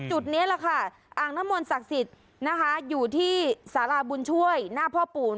จุดนี้แหละค่ะอ่างน้ำมนต์ศักดิ์สิทธิ์นะคะอยู่ที่สาราบุญช่วยหน้าพ่อปู่